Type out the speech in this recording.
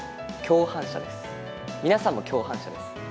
皆さんも共犯者です。